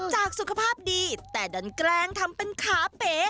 จากสุขภาพดีแต่ดันแกล้งทำเป็นขาเป๋